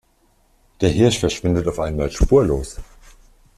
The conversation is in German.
Der Hirsch verschwindet auf einmal spurlos.